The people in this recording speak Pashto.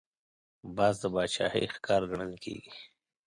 باز د باچاهۍ ښکار ګڼل کېږي